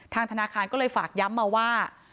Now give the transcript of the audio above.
ธนาคารก็เลยฝากย้ำมาว่า